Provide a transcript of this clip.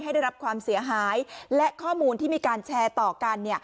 ได้รับความเสียหายและข้อมูลที่มีการแชร์ต่อกัน